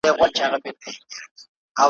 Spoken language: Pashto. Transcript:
په خپل زړه یې د دانې پر لور ګزر سو ,